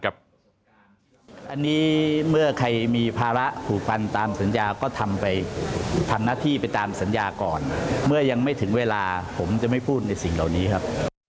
อันนี้เมื่อใครมีภาระผูกพันตามสัญญาก็ทำไปทำหน้าที่ไปตามสัญญาก่อนเมื่อยังไม่ถึงเวลาผมจะไม่พูดในสิ่งเหล่านี้ครับ